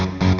ya allah opi